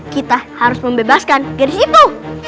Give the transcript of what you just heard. kita harus membebaskan gadis ibu